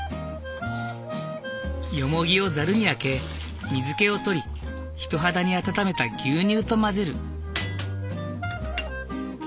ヨモギをザルにあけ水気を取り人肌に温めた牛乳と混ぜる。